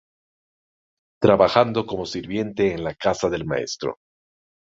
Trabajando como sirviente en la casa del maestro.